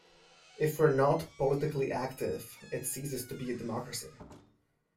If we're not politically active, it ceases to be a democracy.